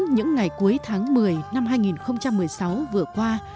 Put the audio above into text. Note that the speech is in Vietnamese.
những ngày cuối tháng một mươi năm hai nghìn một mươi sáu vừa qua